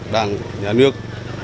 đảng nhà nước